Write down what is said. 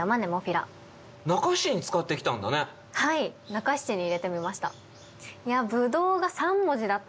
中七に入れてみました。